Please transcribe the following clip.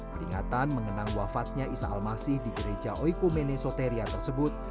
peringatan mengenang wafatnya isa al masih di gereja oiku mene soteria tersebut